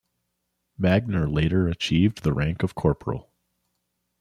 Magner later achieved the rank of Corporal.